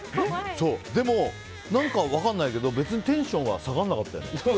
でも、何か分からないけど別にテンションは下がらなかったよね。